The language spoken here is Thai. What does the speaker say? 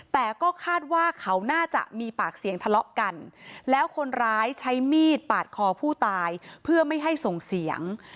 แต่ก็คาดว่าเขาน่าจะมีปากเสียงทะเลาะกันแล้วคนร้ายใช้มีดปาดคอผู้ตายเพื่อไม่ให้ส่งเสียง